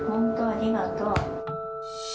ありがとう。